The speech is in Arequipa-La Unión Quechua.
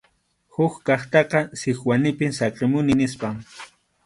Huk kaqtaqa Sikwanipim saqimuni nispa.